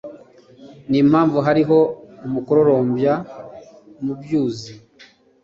n'impamvu hariho umukororombya mu byuzi